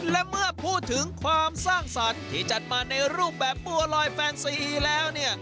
และเมื่อพูดถึงความสร้างสรรค์ที่จัดมาในรูปแบบบัวลอยแฟนซีแล้วเนี่ย